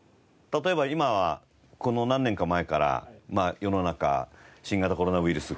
例えば今はこの何年か前から世の中新型コロナウイルスに感染していると。